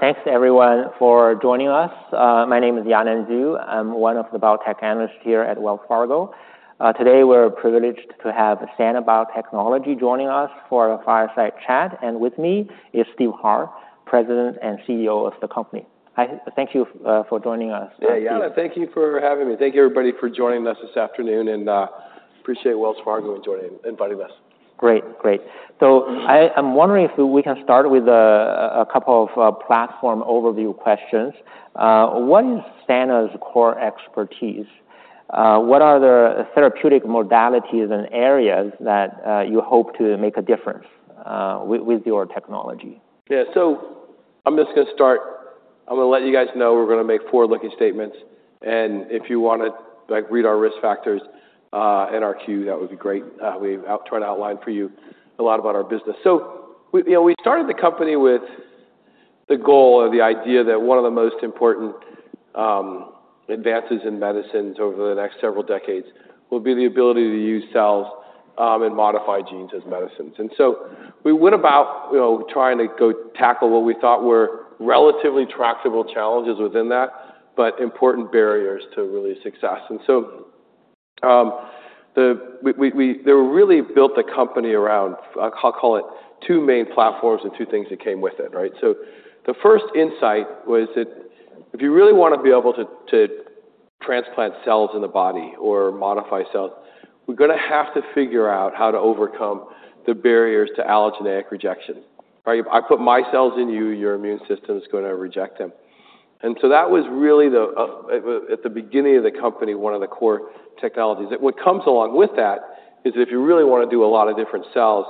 Thanks to everyone for joining us. My name is Yanan Zhu. I'm one of the biotech analysts here at Wells Fargo. Today, we're privileged to have Sana Biotechnology joining us for a fireside chat, and with me is Steve Harr, President and CEO of the company. Thank you for joining us. Yeah, Yanan, thank you for having me. Thank you, everybody, for joining us this afternoon, and appreciate Wells Fargo inviting us. Great. Great. So I'm wondering if we can start with a couple of platform overview questions. What is Sana's core expertise? What are the therapeutic modalities and areas that you hope to make a difference with your technology? Yeah, so I'm just gonna start. I'm gonna let you guys know we're gonna make forward-looking statements, and if you wanna, like, read our risk factors in Form 10-Q, that would be great. We try to outline for you a lot about our business. So we, you know, we started the company with the goal or the idea that one of the most important advances in medicines over the next several decades will be the ability to use cells and modify genes as medicines. And so we went about, you know, trying to go tackle what we thought were relatively tractable challenges within that, but important barriers to really success. And so, we really built the company around. I'll call it two main platforms and two things that came with it, right? So the first insight was that if you really want to be able to, to transplant cells in the body or modify cells, we're gonna have to figure out how to overcome the barriers to allogeneic rejection, right? If I put my cells in you, your immune system is gonna reject them. And so that was really the beginning of the company, one of the core technologies. And what comes along with that is if you really want to do a lot of different cells,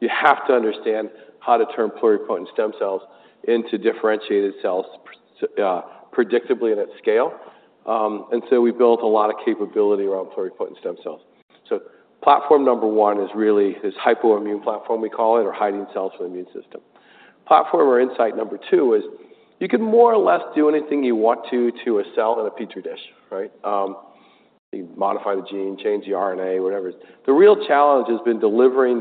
you have to understand how to turn pluripotent stem cells into differentiated cells predictably and at scale. And so we built a lot of capability around pluripotent stem cells. So platform number one is really this Hypoimmune platform, we call it, or hiding cells from the immune system. Platform or insight number two is you can more or less do anything you want to, to a cell in a Petri dish, right? You modify the gene, change the RNA, whatever. The real challenge has been delivering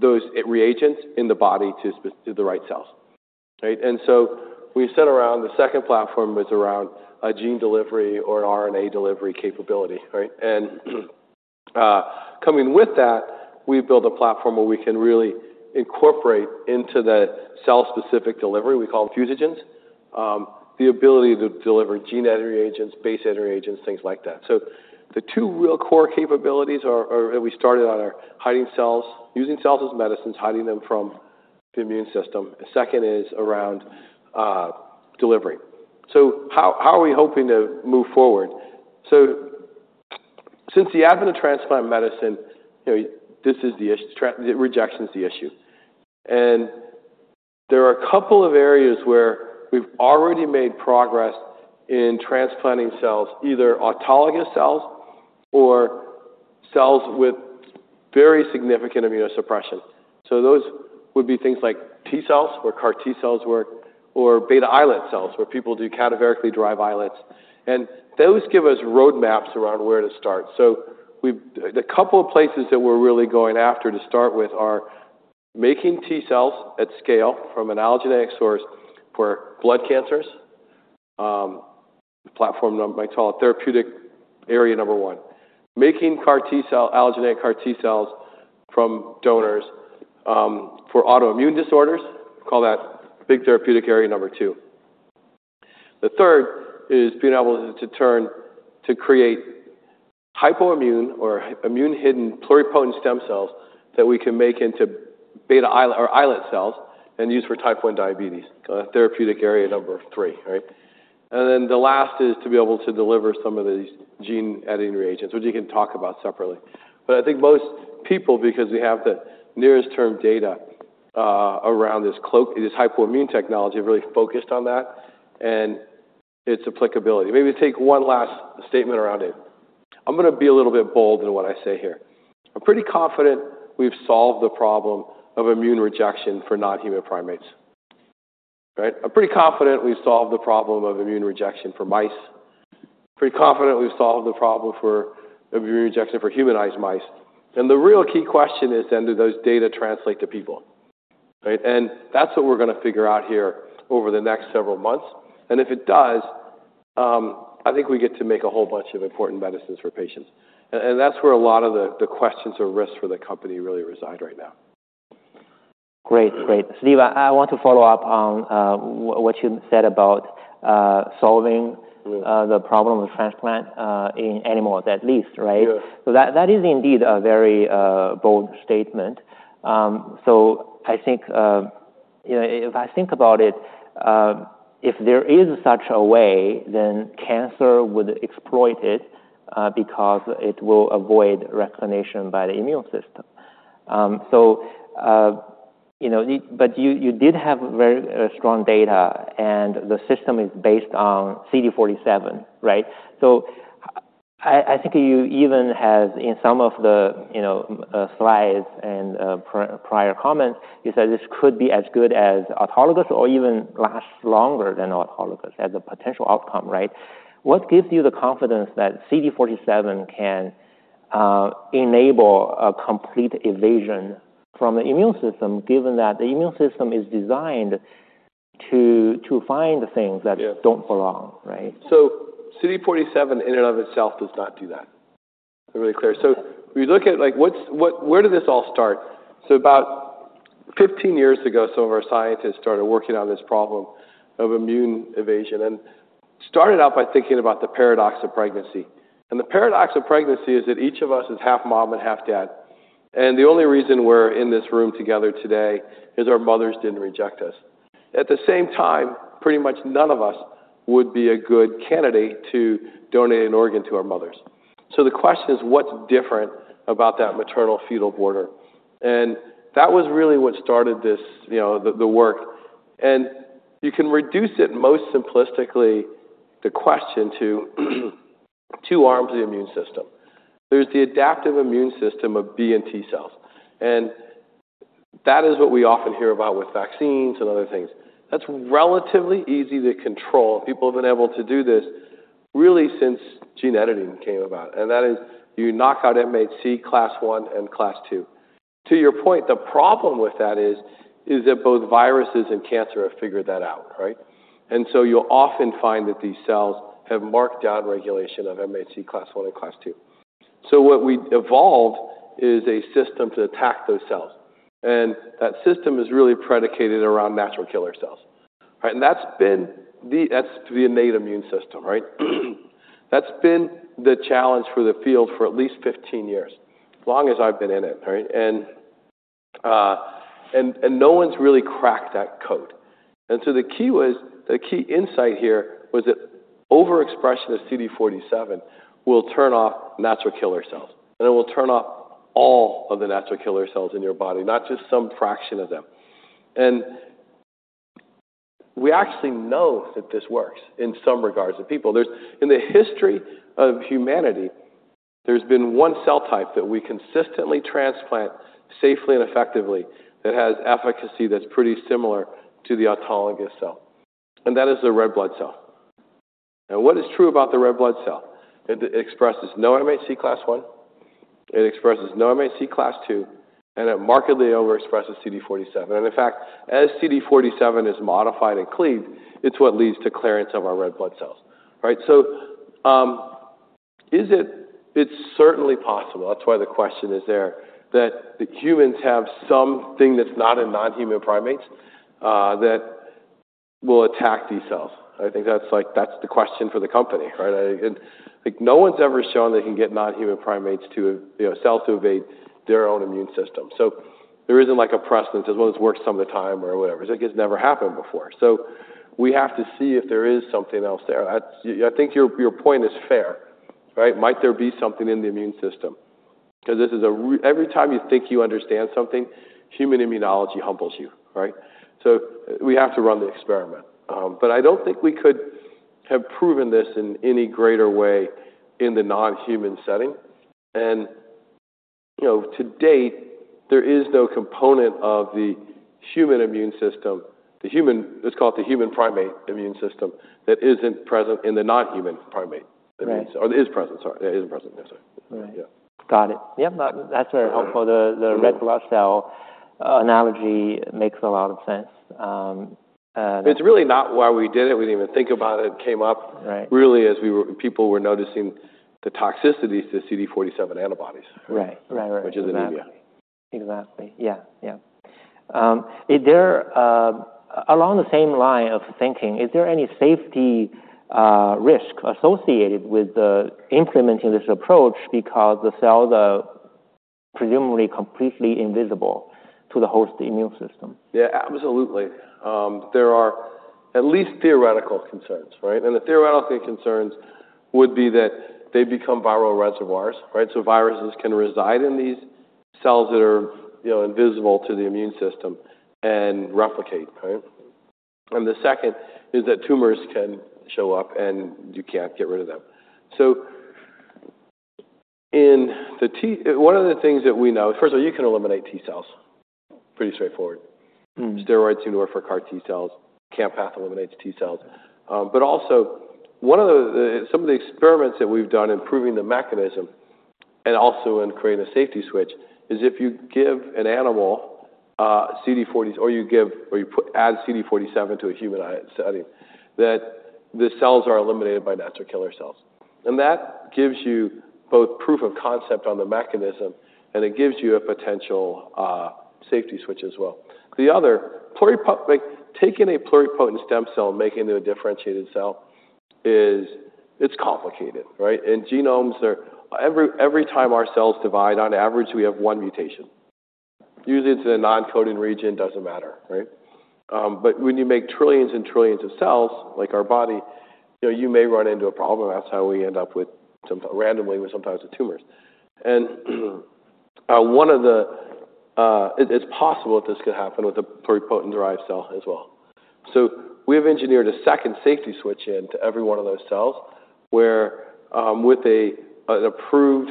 those reagents in the body to the right cells, right? We set around the second platform was around a gene delivery or an RNA delivery capability, right? Coming with that, we built a platform where we can really incorporate into that cell-specific delivery, we call them fusogens, the ability to deliver gene editing reagents, base editing reagents, things like that. The two real core capabilities that we started on are hiding cells, using cells as medicines, hiding them from the immune system. The second is around delivery. How are we hoping to move forward? So since the advent of transplant medicine, you know, this is the issue, rejection is the issue. And there are a couple of areas where we've already made progress in transplanting cells, either autologous cells or cells with very significant immunosuppression. So those would be things like T-cells, where CAR T-cells work, or beta islet cells, where people do cadaveric islets. And those give us roadmaps around where to start. So the couple of places that we're really going after to start with are making T-cells at scale from an allogeneic source for blood cancers. Platform number, I call it therapeutic area number one. Making CAR T-cell, allogeneic CAR T-cells from donors, for autoimmune disorders, call that big therapeutic area number two. The third is being able to turn to create Hypoimmune or immune-hidden pluripotent stem cells that we can make into beta islet or islet cells and use for Type 1 diabetes, therapeutic area number three, right? And then the last is to be able to deliver some of these gene-editing reagents, which you can talk about separately. But I think most people, because we have the nearest term data, around this cloak, this Hypoimmune technology, really focused on that and its applicability. Maybe take one last statement around it. I'm gonna be a little bit bold in what I say here. I'm pretty confident we've solved the problem of immune rejection for non-human primates. Right? I'm pretty confident we've solved the problem of immune rejection for mice. Pretty confident we've solved the problem for immune rejection for humanized mice. The real key question is, then, do those data translate to people, right? That's what we're gonna figure out here over the next several months. If it does, I think we get to make a whole bunch of important medicines for patients. And that's where a lot of the questions or risks for the company really reside right now. Great. Great. Steve, I want to follow up on what you said about solving- Yeah the problem with transplant, in animals, at least, right? Yes. So that, that is indeed a very, bold statement. So I think, you know, if I think about it, if there is such a way, then cancer would exploit it, because it will avoid recognition by the immune system. So, you know, but you, you did have very, strong data, and the system is based on CD47, right? So I, I think you even have, in some of the, you know, slides and, prior comments, you said this could be as good as autologous or even last longer than autologous as a potential outcome, right? What gives you the confidence that CD47 can enable a complete evasion from the immune system, given that the immune system is designed to find the things that- Yeah. don't belong, right? So CD47, in and of itself, does not do that. Really clear. So if you look at, like, what where did this all start? So about 15 years ago, some of our scientists started working on this problem of immune evasion, and started out by thinking about the paradox of pregnancy. And the paradox of pregnancy is that each of us is half mom and half dad, and the only reason we're in this room together today is our mothers didn't reject us. At the same time, pretty much none of us would be a good candidate to donate an organ to our mothers. So the question is, what's different about that maternal fetal border? And that was really what started this, you know, the work, and you can reduce it most simplistically, the question to two arms of the immune system. There's the adaptive immune system of B and T cells, and that is what we often hear about with vaccines and other things. That's relatively easy to control. People have been able to do this really since gene editing came about, and that is you knock out MHC Class I and Class II. To your point, the problem with that is, is that both viruses and cancer have figured that out, right? And so you'll often find that these cells have marked downregulation of MHC Class I and Class II. So what we evolved is a system to attack those cells, and that system is really predicated around natural killer cells, right? And that's been the, that's the innate immune system, right? That's been the challenge for the field for at least 15 years, as long as I've been in it, right? And no one's really cracked that code. And so the key was the key insight here was that overexpression of CD47 will turn off natural killer cells, and it will turn off all of the natural killer cells in your body, not just some fraction of them. And we actually know that this works in some regards of people. There's in the history of humanity, there's been one cell type that we consistently transplant safely and effectively, that has efficacy that's pretty similar to the autologous cell, and that is the red blood cell. And what is true about the red blood cell? It expresses no MHC Class I, it expresses no MHC Class II, and it markedly overexpresses CD47, and in fact, as CD47 is modified and cleaved, it's what leads to clearance of our red blood cells, right? So, it's certainly possible, that's why the question is there, that the humans have something that's not in non-human primates that will attack these cells. I think that's like, that's the question for the company, right? I think, like, no one's ever shown they can get non-human primates to, you know, cells to evade their own immune system. So there isn't, like, a precedent as well as it works some of the time or whatever. It's like it's never happened before. So we have to see if there is something else there. That's, I think your, your point is fair, right? Might there be something in the immune system? 'Cause every time you think you understand something, human immunology humbles you, right? So we have to run the experiment, but I don't think we could have proven this in any greater way in the non-human setting. And, you know, to date, there is no component of the human immune system, the human, let's call it the human primate immune system, that isn't present in the non-human primate. Right. Or is present, sorry. It is present, yes, sir. Right. Yeah. Got it. Yeah, that, that's very helpful. The red blood cell analogy makes a lot of sense. It's really not why we did it. We didn't even think about it. It came up- Right really, as we were, people were noticing the toxicities to CD47 antibodies. Right. Right, right. Which is an antibody. Exactly. Yeah. Yeah. Is there, along the same line of thinking, is there any safety risk associated with implementing this approach because the cells are presumably completely invisible to the host immune system? Yeah, absolutely. There are at least theoretical concerns, right? And the theoretical concerns would be that they become viral reservoirs, right? So viruses can reside in these cells that are, you know, invisible to the immune system and replicate, right? And the second is that tumors can show up, and you can't get rid of them. One of the things that we know, first of all, you can eliminate T cells, pretty straightforward. Mm. Steroids, you know, for CAR T cells, Campath eliminates T cells. But also, some of the experiments that we've done in improving the mechanism and also in creating a safety switch is if you give an animal CD40, or you give, or you put—add CD47 to a Hypoimmune study, that the cells are eliminated by natural killer cells. And that gives you both proof of concept on the mechanism, and it gives you a potential safety switch as well. The other, pluripotent, like, taking a pluripotent stem cell and making it a differentiated cell is, it's complicated, right? And genomes are every time our cells divide, on average, we have one mutation. Usually, it's in a non-coding region, doesn't matter, right? But when you make trillions and trillions of cells, like our body, you know, you may run into a problem. That's how we end up with some randomly, with sometimes the tumors. And one of the, it's possible that this could happen with a pluripotent-derived cell as well. So we've engineered a second safety switch into every one of those cells, where with an approved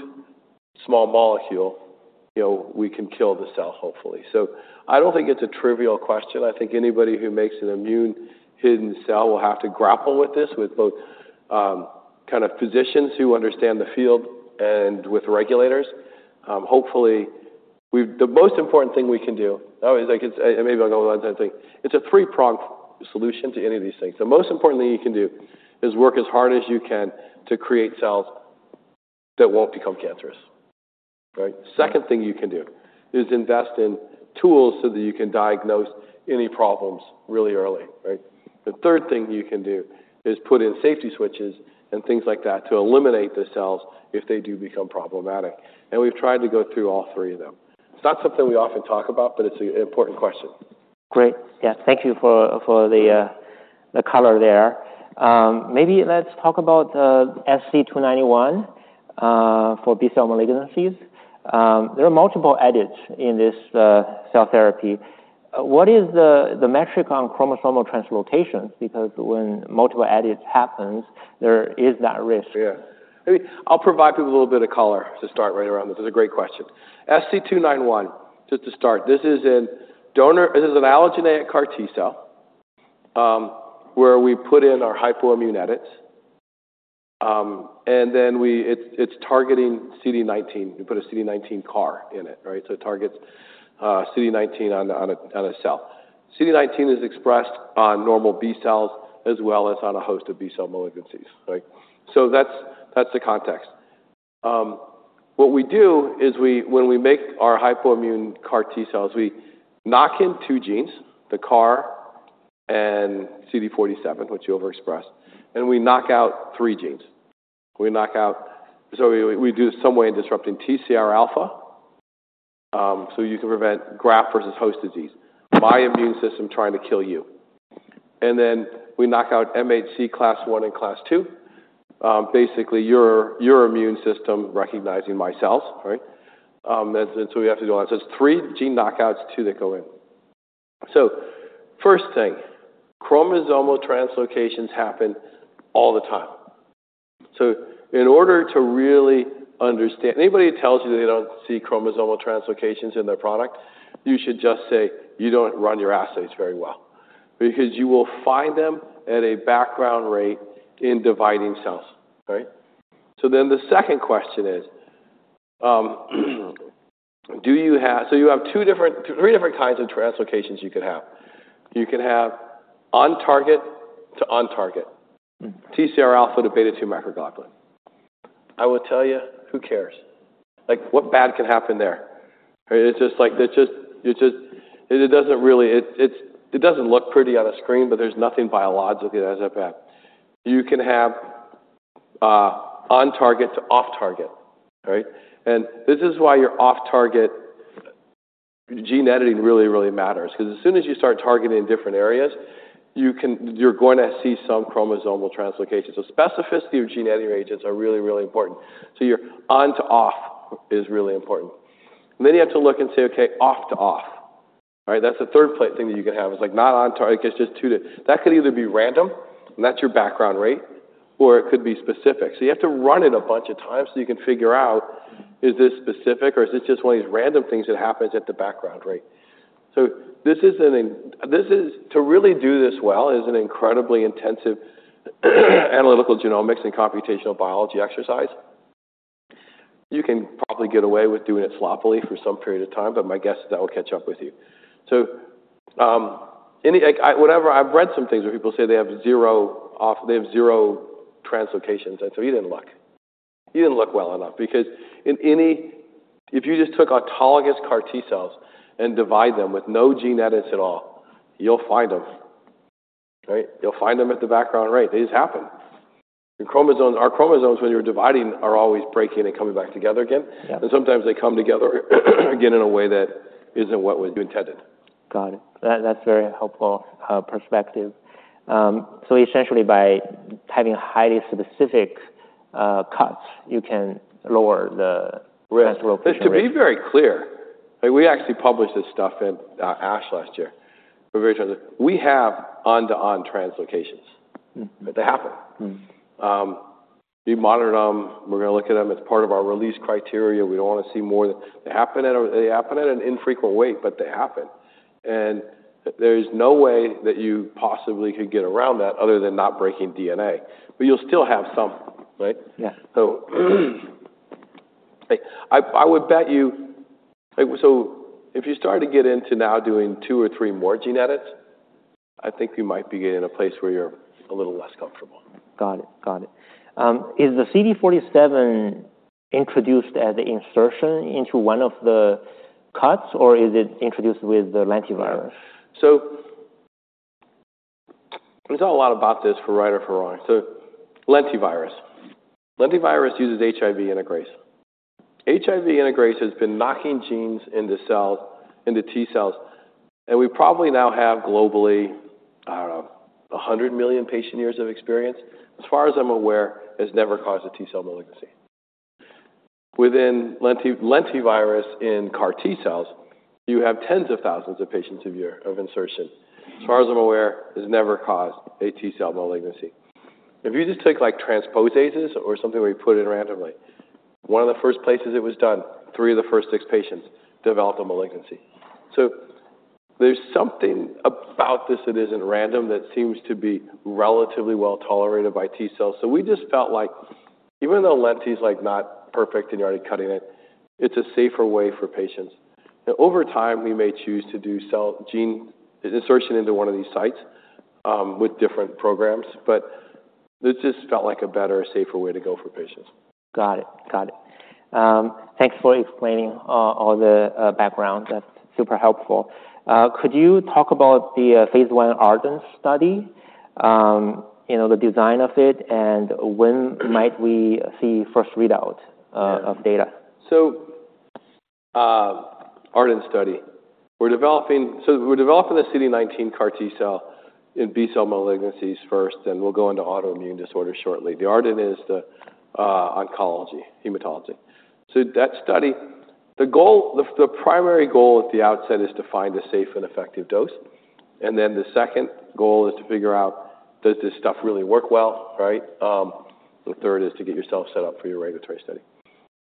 small molecule, you know, we can kill the cell, hopefully. So I don't think it's a trivial question. I think anybody who makes an immune-hidden cell will have to grapple with this, with both kind of physicians who understand the field and with regulators. Hopefully, we've, the most important thing we can do, always, I can, and maybe I'll go on, I think. It's a three-pronged solution to any of these things. The most important thing you can do is work as hard as you can to create cells that won't become cancerous, right? Second thing you can do is invest in tools so that you can diagnose any problems really early, right? The 3rd thing you can do is put in safety switches and things like that to eliminate the cells if they do become problematic, and we've tried to go through all three of them. It's not something we often talk about, but it's an important question. Great. Yeah, thank you for the color there. Maybe let's talk about SC291 for B-cell malignancies. There are multiple edits in this cell therapy. What is the metric on chromosomal translocations? Because when multiple edits happens, there is that risk. Yeah. I'll provide people a little bit of color to start right around. This is a great question. SC291, just to start, this is an allogeneic CAR T cell where we put in our Hypoimmune edits, and then it's targeting CD19. We put a CD19 CAR in it, right? So it targets CD19 on a cell. CD19 is expressed on normal B cells as well as on a host of B-cell malignancies, right? So that's the context. What we do is we when we make our Hypoimmune CAR T cells, we knock in two genes, the CAR and CD47, which you overexpress, and we knock out three genes. We knock out, so we do some way in disrupting TCR alpha, so you can prevent graft-versus-host disease, my immune system trying to kill you. And then we knock out MHC Class I and Class II. Basically, your immune system recognizing my cells, right? And so we have to do all that. So it's three gene knockouts, two that go in. So first thing, chromosomal translocations happen all the time. So in order to really understand, anybody tells you that they don't see chromosomal translocations in their product, you should just say, "You don't run your assays very well," because you will find them at a background rate in dividing cells, right? So then the second question is, so you have two different, three different kinds of translocations you could have. You can have on target to on target, TCR alpha to beta-2 microglobulin. I will tell you, who cares? Like, what bad can happen there, right? It's just like, it's just, it's just, It doesn't really, it doesn't look pretty on a screen, but there's nothing biologically that has effect. You can have on target to off target, right? This is why your off-target gene editing really, really matters, 'cause as soon as you start targeting different areas, you're going to see some chromosomal translocation. Specificity of gene editing agents is really, really important. Your on to off is really important. You have to look and say, okay, off to off. All right, that's the third plate thing that you can have. It's like not on target, it's just to, That could either be random, and that's your background rate, or it could be specific. So you have to run it a bunch of times so you can figure out, is this specific or is this just one of these random things that happens at the background rate? So this is to really do this well is an incredibly intensive analytical genomics and computational biology exercise. You can probably get away with doing it sloppily for some period of time, but my guess is that will catch up with you. So, whatever, I've read some things where people say they have zero off, they have zero translocations, and so you didn't look. You didn't look well enough because if you just took autologous CAR T cells and divide them with no gene edits at all, you'll find them, right? You'll find them at the background rate. They just happen. Our chromosomes, when you're dividing, are always breaking and coming back together again. Yeah. Sometimes they come together again in a way that isn't what was intended. Got it. That, that's a very helpful perspective. So essentially, by having highly specific cuts, you can lower the- Risk risk. To be very clear, like, we actually published this stuff in ASH last year. We're very transparent. We have on-to-on translocations. They happen. We monitor them. We're gonna look at them as part of our release criteria. We don't want to see more than they happen at an infrequent rate, but they happen. And there is no way that you possibly could get around that other than not breaking DNA, but you'll still have some, right? Yeah. So, I would bet you like, so if you start to get into now doing two or three more gene edits, I think you might be in a place where you're a little less comfortable. Got it. Got it. Is the CD47 introduced as an insertion into one of the cuts, or is it introduced with the lentivirus? So we thought a lot about this, for right or for wrong. So lentivirus. Lentivirus uses HIV integrase. HIV integrase has been knocking genes into cells, into T cells, and we probably now have globally, I don't know, 100 million patient-years of experience. As far as I'm aware, it's never caused a T cell malignancy. Within lentivirus in CAR T cells, you have tens of thousands of patients a year of insertion. As far as I'm aware, it's never caused a T cell malignancy. If you just take like transposases or something where you put it in randomly, one of the first places it was done, three of the first six patients developed a malignancy. So there's something about this that isn't random, that seems to be relatively well-tolerated by T cells. So we just felt like even though lentiviral is, like, not perfect and you're already cutting it, it's a safer way for patients. And over time, we may choose to do cell gene insertion into one of these sites, with different programs, but this just felt like a better, safer way to go for patients. Got it. Got it. Thanks for explaining all the background. That's super helpful. Could you talk about Phase I ARDEN study? You know, the design of it, and when might we see first readout of data? So, ARDEN study. We're developing the CD19 CAR T cell in B-cell malignancies first, and we'll go into autoimmune disorders shortly. The ARDEN is the oncology hematology. So that study, the primary goal at the outset is to find a safe and effective dose. And then the second goal is to figure out, does this stuff really work well, right? The third is to get yourself set up for your regulatory study.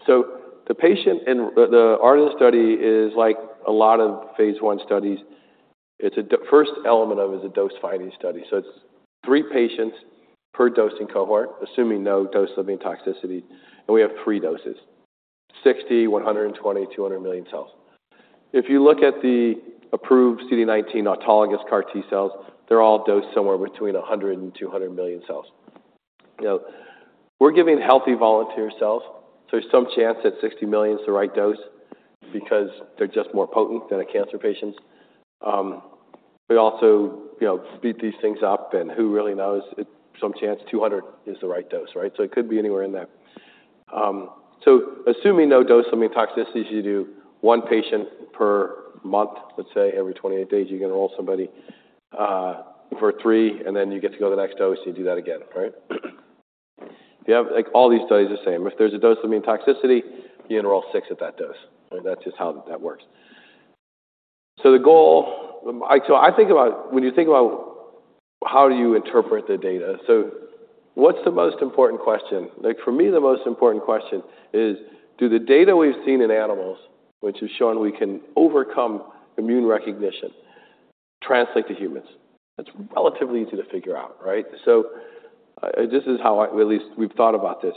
So the patient in the ARDEN study is like a lot of phase I studies. It's a dose-finding study. So it's three patients per dosing cohort, assuming no dose-limiting toxicity, and we have three doses, 60, 120, 200 million cells. If you look at the approved CD19 autologous CAR T cells, they're all dosed somewhere between 100 and 200 million cells. Now, we're giving healthy volunteer cells, so there's some chance that 60 million is the right dose because they're just more potent than a cancer patient's. We also, you know, speed these things up, and who really knows? It's some chance 200 is the right dose, right? So it could be anywhere in there. So assuming no dose-limiting toxicity, you do one patient per month. Let's say every 28 days, you can enroll somebody, for 3, and then you get to go to the next dose, you do that again, right? You have, like, all these studies the same. If there's a dose-limiting toxicity, you enroll 6 at that dose. That's just how that works. So I think about when you think about how do you interpret the data, so what's the most important question? Like, for me, the most important question is, do the data we've seen in animals, which has shown we can overcome immune recognition, translate to humans? That's relatively easy to figure out, right? So this is how at least we've thought about this.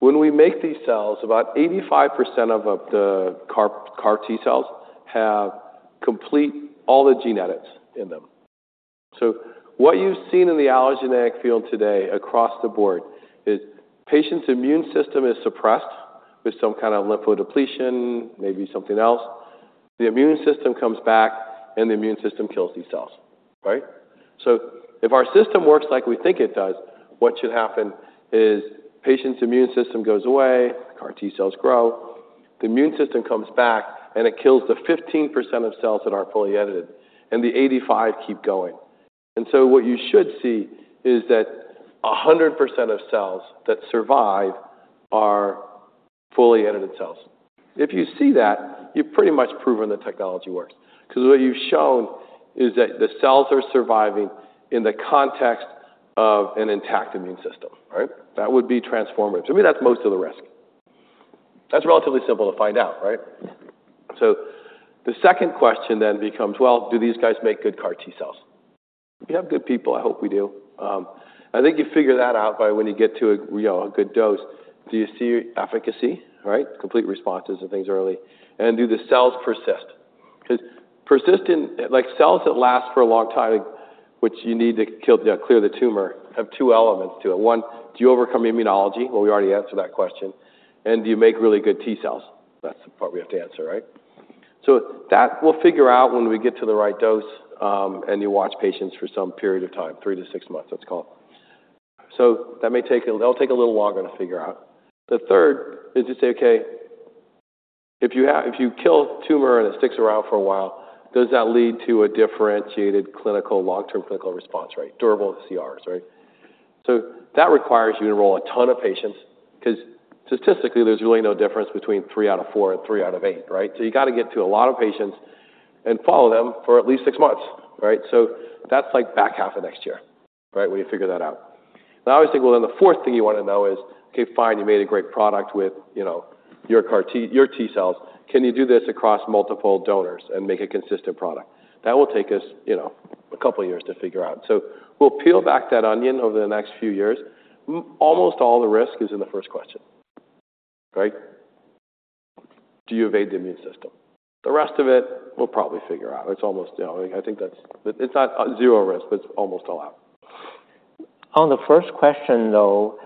When we make these cells, about 85% of the CAR T cells have complete all the genetics in them. So what you've seen in the allogeneic field today across the board is patient's immune system is suppressed with some kind of lymphodepletion, maybe something else. The immune system comes back, and the immune system kills these cells, right? So if our system works like we think it does, what should happen is patient's immune system goes away, CAR T cells grow, the immune system comes back, and it kills the 15% of cells that aren't fully edited, and the 85 keep going. And so what you should see is that 100% of cells that survive are fully edited cells. If you see that, you've pretty much proven the technology works because what you've shown is that the cells are surviving in the context of an intact immune system, right? That would be transformative. To me, that's most of the risk. That's relatively simple to find out, right? So the second question then becomes, well, do these guys make good CAR T cells? We have good people. I hope we do. I think you figure that out by when you get to a, you know, a good dose. Do you see efficacy, right? Complete responses and things early. And do the cells persist? Because persistent, like, cells that last for a long time, which you need to kill, clear the tumor, have two elements to it. One, do you overcome immunology? Well, we already answered that question. And do you make really good T cells? That's the part we have to answer, right? So that we'll figure out when we get to the right dose, and you watch patients for some period of time, 3-6 months, let's call it. So that'll take a little longer to figure out. The third is to say, okay, if you have, if you kill tumor and it sticks around for a while, does that lead to a differentiated clinical, long-term clinical response rate, durable CRs, right? So that requires you to enroll a ton of patients because statistically, there's really no difference between three out of four and three out of eight, right? So you got to get to a lot of patients and follow them for at least six months, right? So that's like back half of next year, right, when you figure that out. And I always think, well, then the fourth thing you want to know is, okay, fine, you made a great product with, you know, your CAR T cells. Can you do this across multiple donors and make a consistent product? That will take us, you know, a couple of years to figure out. So we'll peel back that onion over the next few years. Almost all the risk is in the first question, right? Do you evade the immune system? The rest of it, we'll probably figure out. It's almost, you know, I think that's, it's not zero risk, but it's almost allowed. On the first question, though,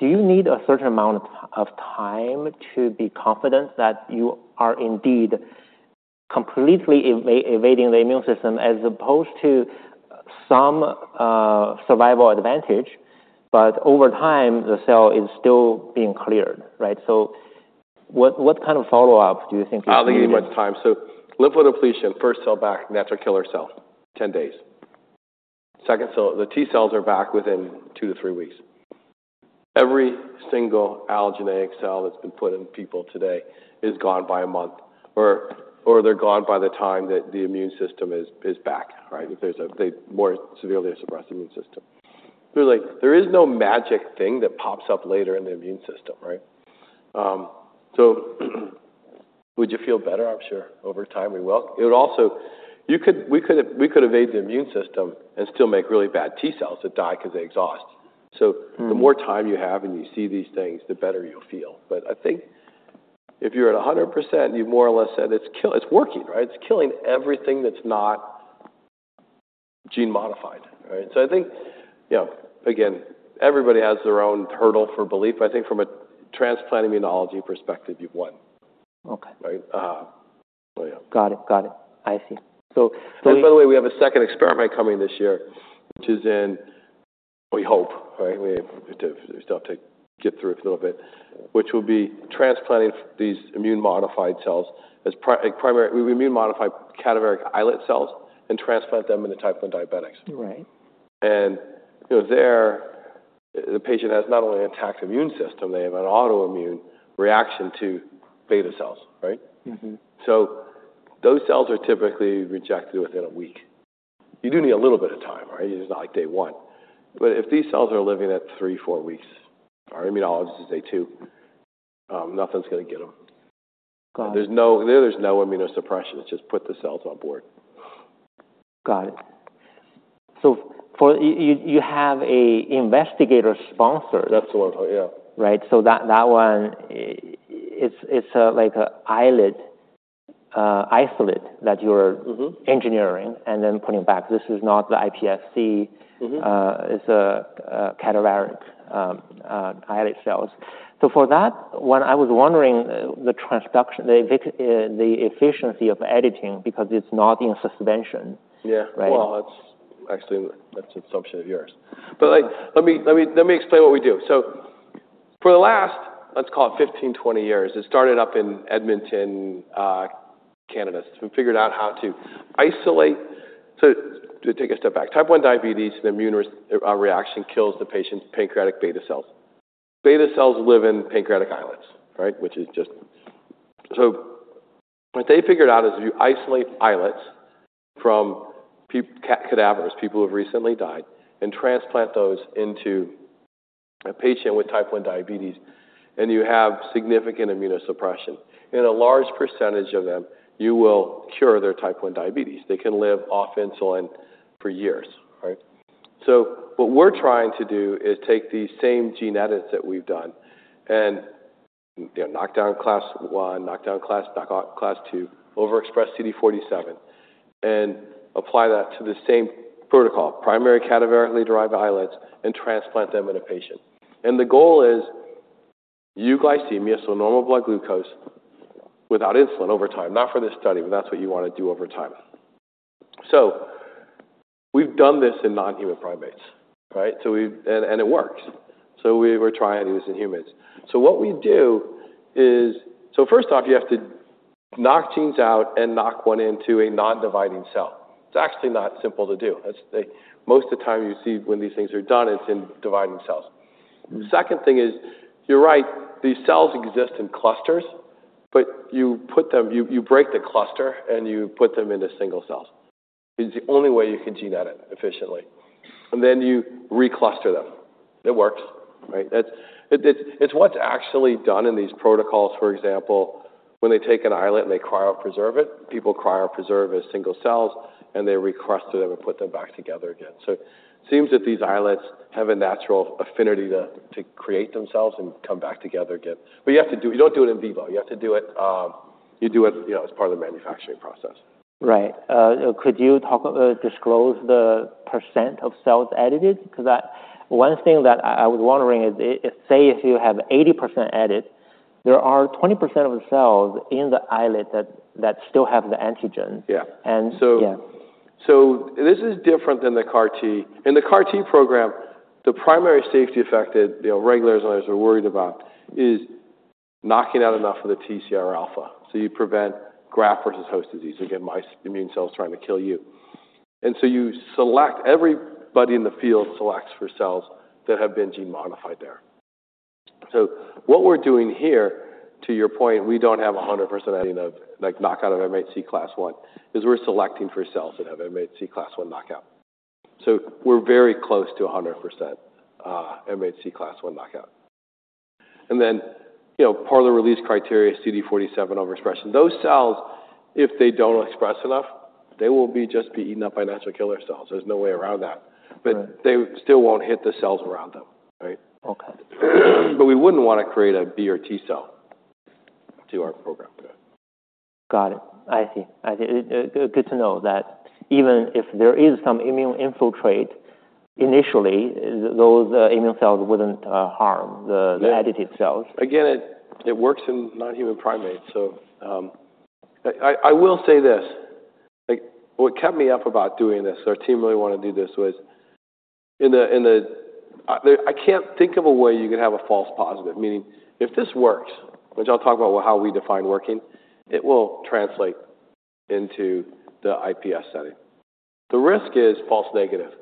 do you need a certain amount of time to be confident that you are indeed completely evading the immune system as opposed to some survival advantage, but over time, the cell is still being cleared, right? So what kind of follow-up do you think is- I think you need much time. So lymphodepletion, first cell back, natural killer cell, 10 days. Second cell, the T cells are back within 2-3 weeks. Every single allogeneic cell that's been put in people today is gone by a month, or, or they're gone by the time that the immune system is, is back, right? If there's a. they more severely a suppressed immune system. So like, there is no magic thing that pops up later in the immune system, right? So would you feel better? I'm sure over time, we will. It would also, you could, we could evade the immune system and still make really bad T cells that die 'cause they exhaust. So The more time you have and you see these things, the better you'll feel. But I think if you're at 100%, you've more or less said it's working, right? It's killing everything that's not gene-modified, right? So I think, you know, again, everybody has their own hurdle for belief. I think from a transplant immunology perspective, you've won. Okay. Right? Oh, yeah. Got it. Got it. I see. So when we- And by the way, we have a second experiment coming this year, which is in, we hope, right? We have to, we still have to get through a little bit, which will be transplanting these immune-modified cells as primary immune-modified cadaveric islet cells and transplant them into Type 1 diabetics. Right. You know, there, the patient has not only attacked immune system, they have an autoimmune reaction to beta cells, right? So those cells are typically rejected within a week. You do need a little bit of time, right? It's not like day 1. But if these cells are living at 3, 4 weeks, our immunologist say, two, nothing's gonna get them. Got it. There's no immunosuppression. It's just put the cells on board. Got it. So for you, you have an investigator sponsor? Absolutely, yeah. Right. So that one, it's like a islet isolate that you're Engineering and then putting back. This is not the iPSC. It's a cadaveric islet cells. So for that one, I was wondering, the transduction, the efficiency of editing, because it's not in suspension. Yeah. Right? Well, that's actually, that's an assumption of yours. But like, let me explain what we do. So for the last, let's call it 15, 20 years, it started up in Edmonton, Canada, someone figured out how to isolate. So to take a step back, Type 1 diabetes, the immune reaction kills the patient's pancreatic beta cells. Beta cells live in pancreatic islets, right? Which is just so what they figured out is if you isolate islets from cadavers, people who have recently died, and transplant those into a patient with Type 1 diabetes, and you have significant immunosuppression. In a large percentage of them, you will cure their Type 1 diabetes. They can live off insulin for years, right? What we're trying to do is take these same gene edits that we've done and, you know, knock down class one, knock down class, knock out class two, overexpress CD47, and apply that to the same protocol, primary cadaverically-derived islets, and transplant them in a patient. The goal is euglycemia, so normal blood glucose, without insulin over time. Not for this study, but that's what you want to do over time. We've done this in non-human primates, right? It works. We're trying to do this in humans. What we do is, first off, you have to knock genes out and knock one into a non-dividing cell. It's actually not simple to do. Most of the time, you see when these things are done, it's in dividing cells. The second thing is, you're right, these cells exist in clusters, but you put them, you break the cluster, and you put them into single cells. It's the only way you can gene edit efficiently, and then you recluster them. It works, right? That's, it's what's actually done in these protocols, for example, when they take an islet, and they cryopreserve it, people cryopreserve as single cells, and they recluster them and put them back together again. So it seems that these islets have a natural affinity to create themselves and come back together again. But you have to do, you don't do it in vivo. You have to do it, you do it, you know, as part of the manufacturing process. Right. Could you talk, disclose the percent of cells edited? 'Cause that one thing that I was wondering is, say, if you have 80% edit, there are 20% of the cells in the islet that still have the antigen. Yeah. And, yeah. So this is different than the CAR T. In the CAR T program, the primary safety effect that, you know, regulators are always worried about is knocking out enough of the TCR alpha, so you prevent graft-versus-host disease, again, my immune cells trying to kill you. And so you select everybody in the field selects for cells that have been gene-modified there. So what we're doing here, to your point, we don't have 100% editing of, like, knockout of MHC Class I, is we're selecting for cells that have MHC Class I knockout. So we're very close to 100%, MHC Class I knockout. And then, you know, part of the release criteria is CD47 overexpression. Those cells, if they don't express enough, they will just be eaten up by natural killer cells. There's no way around that. Right. But they still won't hit the cells around them, right? Okay. We wouldn't want to create a B or T cell to our program today. Got it. I see. I see. Good to know that even if there is some immune infiltrate, initially, those immune cells wouldn't harm the- Yeah the edited cells. Again, it works in non-human primates, so, I will say this, like, what kept me up about doing this, our team really want to do this, was I can't think of a way you could have a false positive, meaning if this works, which I'll talk about how we define working, it will translate into the iPS setting. The risk is false negative.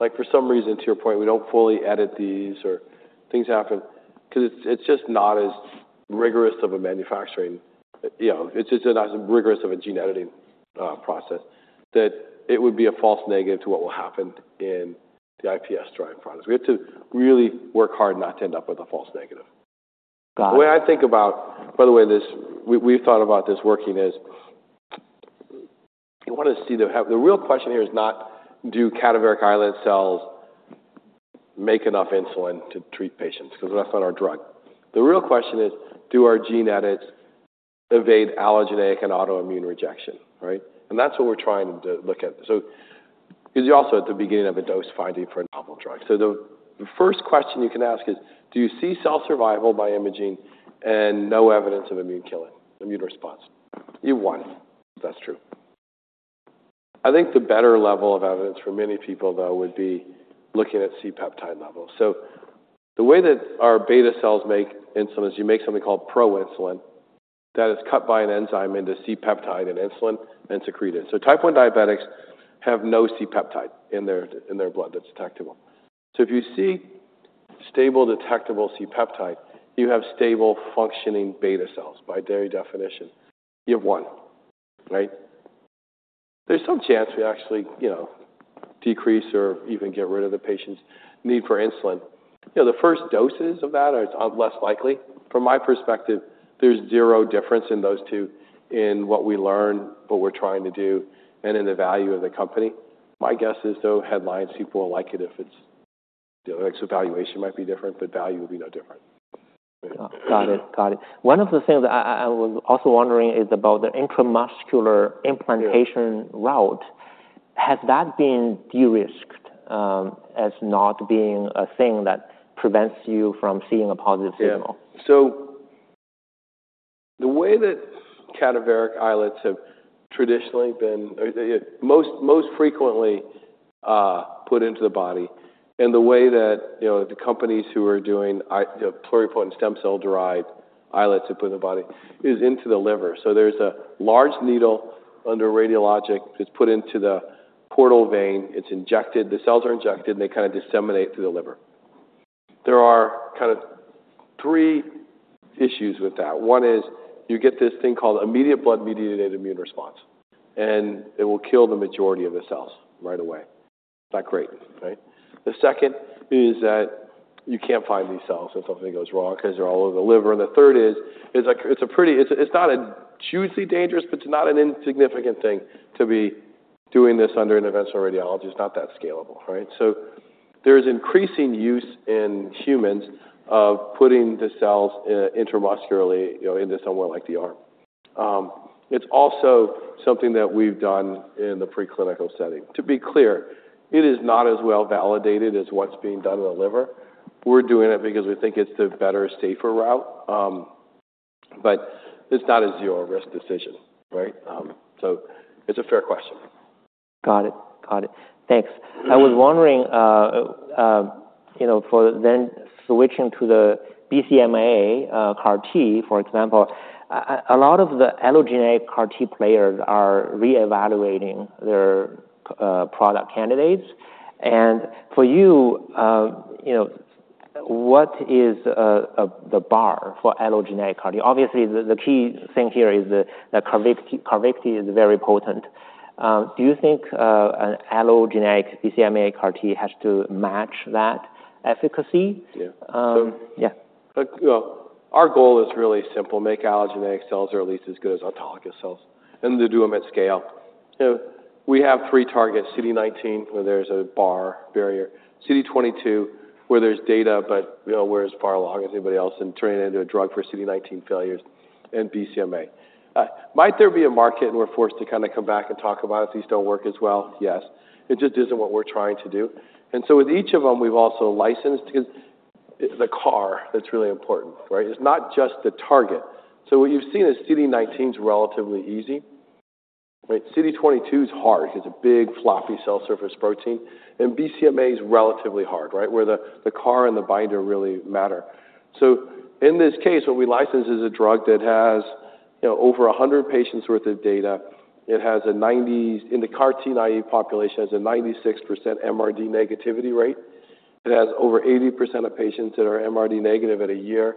Like, for some reason, to your point, we don't fully edit these or things happen because it's just not as rigorous of a manufacturing. You know, it's just not as rigorous of a gene editing process that it would be a false negative to what will happen in the iPS derived products. We have to really work hard not to end up with a false negative. Got it. The way I think about. By the way, we've thought about this working is, you want to see. The real question here is not do cadaveric islet cells make enough insulin to treat patients? Because that's not our drug. The real question is, do our gene edits evade allogeneic and autoimmune rejection, right? And that's what we're trying to look at. So because you're also at the beginning of a dose-finding for a novel drug. So the first question you can ask is, do you see cell survival by imaging and no evidence of immune killing, immune response? You won. That's true. I think the better level of evidence for many people, though, would be looking at C-peptide levels. So the way that our beta cells make insulin is you make something called proinsulin that is cut by an enzyme into C-peptide and insulin and secreted. So Type 1 diabetics have no C-peptide in their blood that's detectable. So if you see stable, detectable C-peptide, you have stable, functioning beta cells by definition. You have one, right? There's some chance we actually, you know, decrease or even get rid of the patient's need for insulin. You know, the first doses of that are less likely. From my perspective, there's zero difference in those two in what we learn, what we're trying to do, and in the value of the company. My guess is, though, headlines, people will like it if it's so valuation might be different, but value will be no different. Got it. Got it. One of the things I was also wondering is about the intramuscular implantation route. Yeah. Has that been de-risked, as not being a thing that prevents you from seeing a positive signal? Yeah. So the way that cadaveric islets have traditionally been, or most frequently, put into the body, and the way that, you know, the companies who are doing pluripotent stem cell-derived islets to put in the body is into the liver. So there's a large needle under radiologic that's put into the portal vein. It's injected, the cells are injected, and they kind of disseminate through the liver. There are kind of three issues with that. One is you get this thing called immediate blood-mediated immune response, and it will kill the majority of the cells right away. It's not great, right? The second is that you can't find these cells if something goes wrong because they're all over the liver. The third is, it's like, it's a pretty, it's not a juicy, dangerous, but it's not an insignificant thing to be doing this under interventional radiology. It's not that scalable, right? There's increasing use in humans of putting the cells in, intramuscularly, you know, into somewhere like the arm. It's also something that we've done in the preclinical setting. To be clear, it is not as well validated as what's being done in the liver. We're doing it because we think it's the better, safer route, but it's not a zero-risk decision, right? It's a fair question. Got it. Got it. Thanks. I was wondering, you know, for then switching to the BCMA CAR T, for example, a lot of the allogeneic CAR T players are reevaluating their product candidates. And for you, you know, what is the bar for allogeneic CAR T? Obviously, the key thing here is that Carvykti, Carvykti is very potent. Do you think an allogeneic BCMA CAR T has to match that efficacy? Yeah. Um, yeah. Like, you know, our goal is really simple: make allogeneic cells are at least as good as autologous cells and to do them at scale. So we have three targets, CD19, where there's a high bar, CD22, where there's data, but you know, we're as far along as anybody else in turning it into a drug for CD19 failures and BCMA. Might there be a market, and we're forced to come back and talk about it if these don't work as well? Yes. It just isn't what we're trying to do. And so with each of them, we've also licensed because it's the CAR that's really important, right? It's not just the target. So what you've seen is CD19 is relatively easy, right? CD22 is hard. It's a big, floppy cell surface protein, and BCMA is relatively hard, right, where the CAR and the binder really matter. So in this case, what we licensed is a drug that has, you know, over 100 patients worth of data. It has a, In the CAR T naive population, it has a 96% MRD negativity rate. It has over 80% of patients that are MRD negative at 1 year.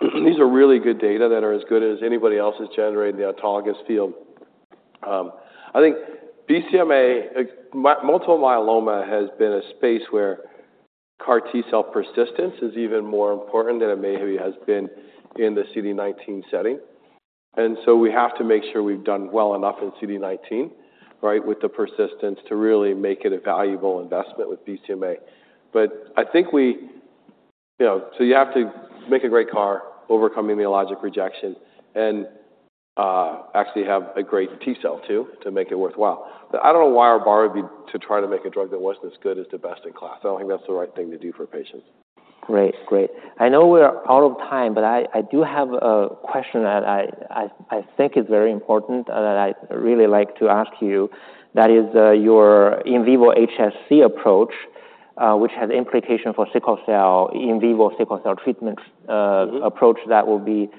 These are really good data that are as good as anybody else's generated in the autologous field. I think BCMA, multiple myeloma, has been a space where CAR T-cell persistence is even more important than it maybe has been in the CD19 setting. And so we have to make sure we've done well enough in CD19, right, with the persistence to really make it a valuable investment with BCMA. But I think, you know, so you have to make a great CAR, overcome immunologic rejection, and actually have a great T cell, too, to make it worthwhile. But I don't know why our bar would be to try to make a drug that wasn't as good as the best-in-class. I don't think that's the right thing to do for patients. Great. Great. I know we're out of time, but I do have a question that I think is very important and that I'd really like to ask you. That is, your in vivo HSC approach, which has implication for sickle cell, in vivo sickle cell treatments approach, that will be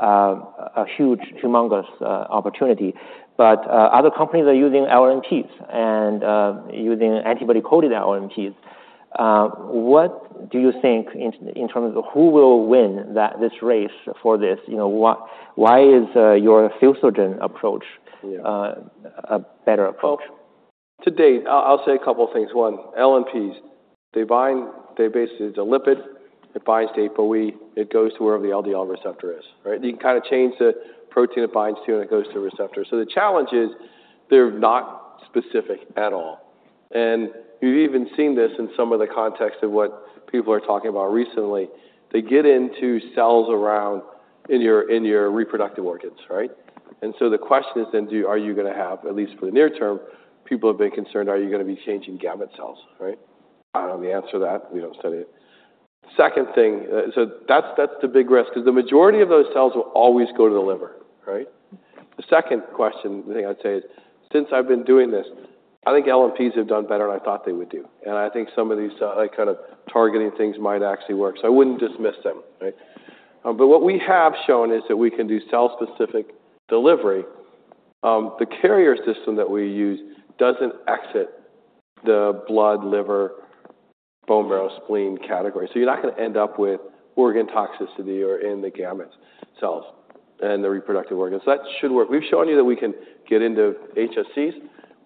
a huge, humongous opportunity. But other companies are using LNPs and using antibody-coated LNPs. What do you think in terms of who will win that - this race for this? You know, what, why is your fusogen approach- Yeah a better approach? Well, to date, I'll say a couple things. One, LNPs, they bind. They basically, it's a lipid, it binds to ApoE, it goes to wherever the LDL receptor is, right? You can kind of change the protein it binds to, and it goes to a receptor. So the challenge is they're not specific at all, and you've even seen this in some of the context of what people are talking about recently. They get into cells around in your reproductive organs, right? And so the question is then, are you going to have. At least for the near term, people have been concerned, are you going to be changing gamete cells, right? I don't know the answer to that. We don't study it. Second thing, so that's the big risk, because the majority of those cells will always go to the liver, right? The second question, the thing I'd say is, since I've been doing this, I think LNPs have done better than I thought they would do, and I think some of these, like, kind of targeting things might actually work, so I wouldn't dismiss them, right? But what we have shown is that we can do cell-specific delivery. The carrier system that we use doesn't exit the blood, liver, bone marrow, spleen category, so you're not going to end up with organ toxicity or in the gamete cells and the reproductive organs. So that should work. We've shown you that we can get into HSCs.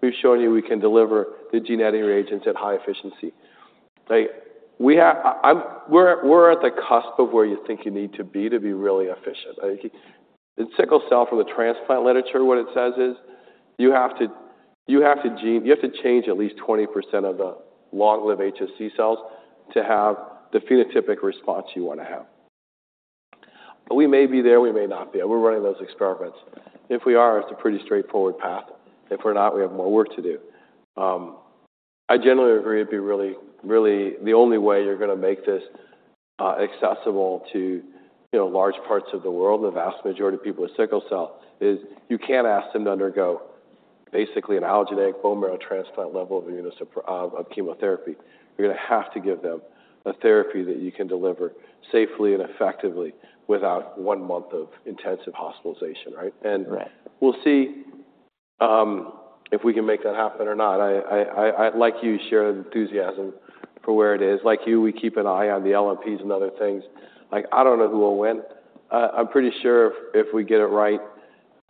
We've shown you we can deliver the gene editing agents at high efficiency. Like, we have, we're at the cusp of where you think you need to be to be really efficient. I think in sickle cell, from the transplant literature, what it says is you have to change at least 20% of the long-lived HSC cells to have the phenotypic response you want to have. We may be there, we may not be, and we're running those experiments. If we are, it's a pretty straightforward path. If we're not, we have more work to do. I generally agree, it'd be really, really. The only way you're going to make this accessible to, you know, large parts of the world, the vast majority of people with sickle cell, is you can't ask them to undergo basically an allogeneic bone marrow transplant level of chemotherapy. You're going to have to give them a therapy that you can deliver safely and effectively without one month of intensive hospitalization, right? Right. And we'll see if we can make that happen or not. I like you, share the enthusiasm for where it is. Like you, we keep an eye on the LNPs and other things. Like, I don't know who will win. I'm pretty sure if we get it right,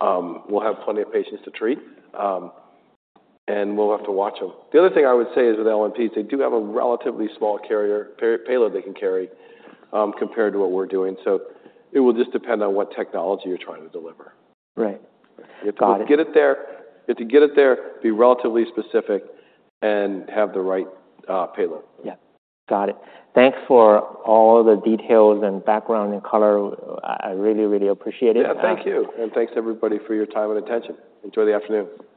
we'll have plenty of patients to treat, and we'll have to watch them. The other thing I would say is, with LNPs, they do have a relatively small carrier, payload they can carry, compared to what we're doing, so it will just depend on what technology you're trying to deliver. Right. Got it. If you get it there, if you get it there, be relatively specific and have the right, payload. Yeah. Got it. Thanks for all the details and background and color. I, I really, really appreciate it. Yeah, thank you, and thanks, everybody, for your time and attention. Enjoy the afternoon. Bye-bye.